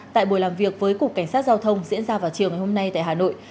tại buổi làm việc với cục cảnh sát giao thông diễn ra vào chiều ngày hôm nay tại hà nội